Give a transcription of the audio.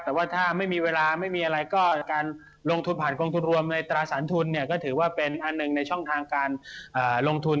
แต่ว่าถ้าไม่มีเวลาไม่มีอะไรก็การลงทุนผ่านกองทุนรวมในตราสารทุนเนี่ยก็ถือว่าเป็นอันหนึ่งในช่องทางการลงทุน